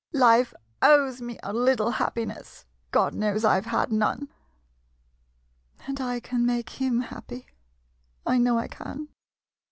Life owes me a little happiness — God knows I 've had none. [Softly.] And I can make him happy — I know I can